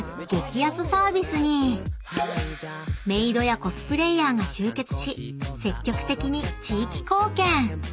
［メイドやコスプレイヤーが集結し積極的に地域貢献］